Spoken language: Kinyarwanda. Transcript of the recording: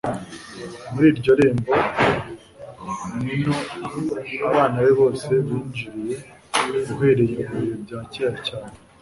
Muri iryo rembo ni ho abana be bose binjiriye, uhereye mu bihe bya kera cyane.